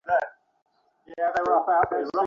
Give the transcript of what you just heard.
চিরকাল একমাত্র ভাব ছাপ মারা রহিয়াছে।